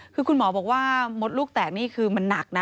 คือคุณหมอบอกว่ามดลูกแตกนี่คือมันหนักนะ